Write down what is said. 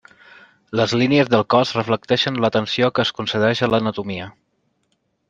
Les línies del cos reflecteixen l'atenció que es concedeix a l'anatomia.